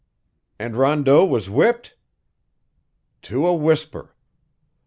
"And Rondeau was whipped?" "To a whisper.